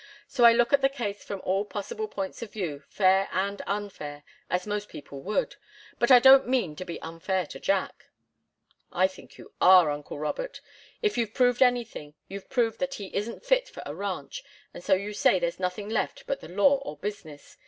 So I look at the case from all possible points of view, fair and unfair, as most people would. But I don't mean to be unfair to Jack." "I think you are, uncle Robert. If you've proved anything, you've proved that he isn't fit for a ranch and so you say there's nothing left but the law or business.